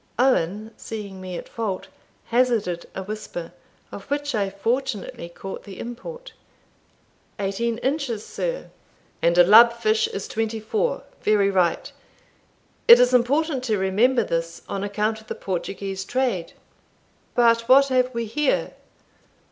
Owen, seeing me at fault, hazarded a whisper, of which I fortunately caught the import. "Eighteen inches, sir." "And a lub fish is twenty four very right. It is important to remember this, on account of the Portuguese trade But what have we here?